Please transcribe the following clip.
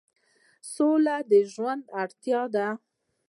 سوله د ژوند اړتیا ده